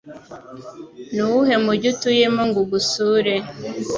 Nuwuhe mujyi utuyemo nzagusure?